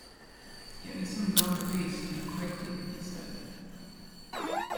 "Get me some gum or paste, and quickly," he said.